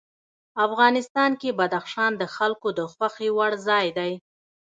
افغانستان کې بدخشان د خلکو د خوښې وړ ځای دی.